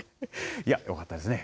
いや、よかったですね。